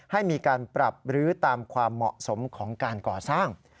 ให้มีการปรับรื้อตามความเหมาะสมของการก่อสร้าง